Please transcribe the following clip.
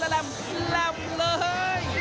ลำเลย